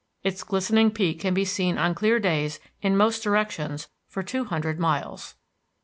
Its glistening peak can be seen on clear days in most directions for two hundred miles.